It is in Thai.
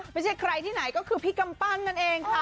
ไม่ใช่ใครที่ไหนก็คือพี่กำปั้นนั่นเองค่ะ